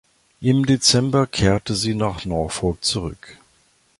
Im Dezember kehrte sie nach Norfolk zurück.